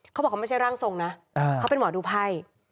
เขาบอกเขาไม่ใช่ร่างทรงนะเขาเป็นหมอดูไพ่